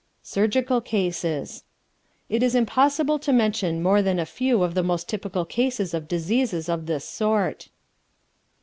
SURGICAL CASES It is impossible to mention more than a few of the most typical cases of diseases of this sort.